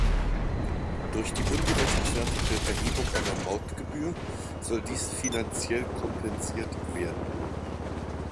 Durch die ungerechtfertigte Erhebung einer Mautgebühr soll dies finanziell kompensiert werden.